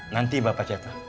nanti bapak cetak